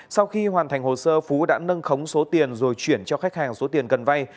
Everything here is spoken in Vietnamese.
sau khi hoàn thành hồ sơ phú đã nâng khống số tiền rồi chuyển cho khách hàng số tiền cần vay